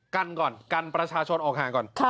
กันก่อนกันประชาชนออกห่างก่อน